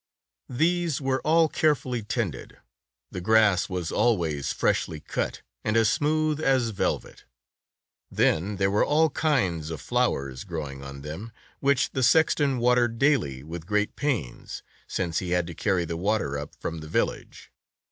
These were all carefully tended; the grass was always freshly cut and as smooth as velvet. Then there were all kinds of flowers growing on them, which the sexton watered daily with great pains, since he had to carry the water up from the village.